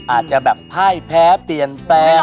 อาจจะแบบพ่ายแพ้เปลี่ยนแปลง